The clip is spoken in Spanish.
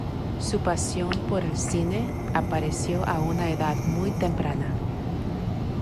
Su pasión por el cine apareció a una edad muy temprana.